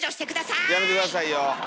やめて下さいよ。